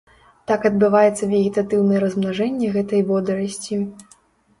Так адбываецца вегетатыўнае размнажэнне гэтай водарасці.